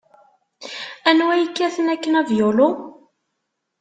Anwa yekkaten akken avyulu?